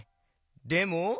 でも？